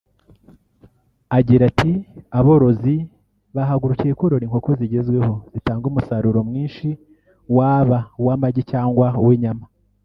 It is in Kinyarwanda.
Agira ati “Aborozi bahagurukiye korora inkoko zigezweho zitanga umusaruro mwinshi waba uw’amagi cyangwa inyama